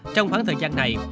trong khoảng thời gian này